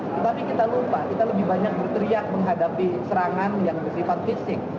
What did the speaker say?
tetapi kita lupa kita lebih banyak berteriak menghadapi serangan yang bersifat fisik